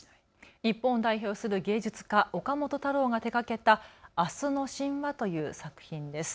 日本を代表する芸術家、岡本太郎が手がけた明日の神話という作品です。